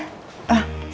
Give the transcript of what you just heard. selamat siang bu lydia